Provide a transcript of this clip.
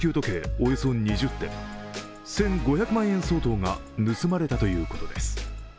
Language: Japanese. およそ２０点、１５００万円相当が盗まれたということです。